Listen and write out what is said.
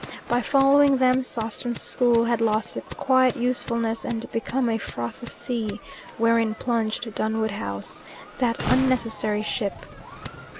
By following them Sawston School had lost its quiet usefulness and become a frothy sea, wherein plunged Dunwood House, that unnecessary ship.